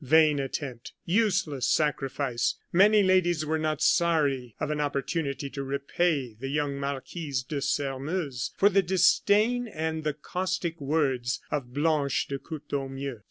Vain attempt! Useless sacrifice! Many ladies were not sorry of an opportunity to repay the young Marquise de Sairmeuse for the disdain and the caustic words of Blanche de Courtornieu.